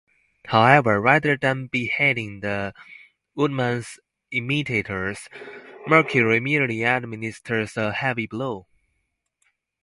However, rather than beheading the woodman's imitators, Mercury merely administers a heavy blow.